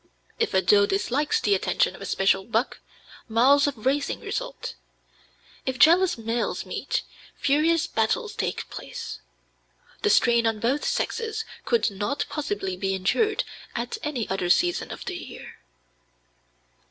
If a doe dislikes the attention of a special buck, miles of racing result. If jealous males meet, furious battles take place. The strain on both sexes could not possibly be endured at any other season of the year.